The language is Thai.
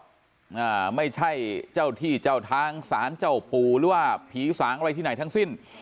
อ่าไม่ใช่เจ้าที่เจ้าทางสารเจ้าปู่หรือว่าผีสางอะไรที่ไหนทั้งสิ้น